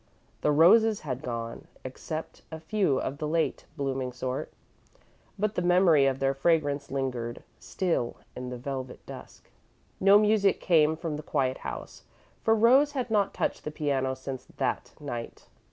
The roses had gone, except a few of the late blooming sort, but the memory of their fragrance lingered still in the velvet dusk. No music came from the quiet house, for Rose had not touched the piano since That Night.